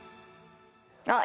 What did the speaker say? あっ！